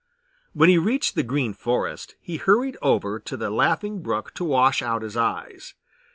When he reached the Green Forest he hurried over to the Laughing Brook to wash out his eyes.